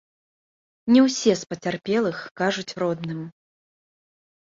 Не ўсе з пацярпелых кажуць родным.